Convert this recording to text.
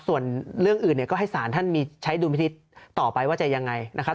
ส่วนเรื่องอื่นก็ให้ศาลท่านมีใช้ดูพิธีต่อไปว่าจะยังไงนะครับ